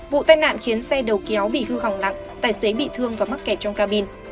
vụ tai nạn khiến xe đầu kéo bị hư hỏng nặng tài xế bị thương và mắc kẹt trong cabin